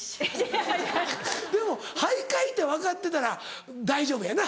でも徘徊って分かってたら大丈夫やな。